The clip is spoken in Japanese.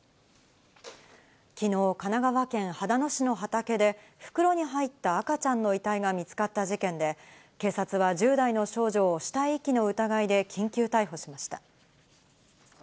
きのう、神奈川県秦野市の畑で、袋に入った赤ちゃんの遺体が見つかった事件で、警察は１０代の少女を死体遺棄の疑いで緊急逮捕しました。